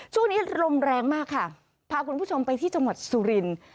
ช่วงนี้ลมแรงมากค่ะพาคุณผู้ชมไปที่จังหวัดสุรินทร์